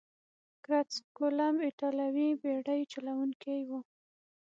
کرستف کولمب ایتالوي بیړۍ چلوونکی وو.